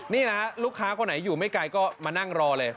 นี่นะลูกค้าคนไหนอยู่ไม่ไกลก็มานั่งรอเลย